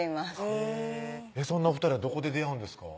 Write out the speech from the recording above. へぇそんなお２人はどこで出会うんですか？